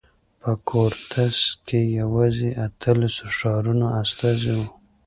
په کورتس کې یوازې اتلسو ښارونو استازي وو.